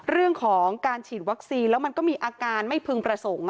เรื่องของการฉีดวัคซีนแล้วมันก็มีอาการไม่พึงประสงค์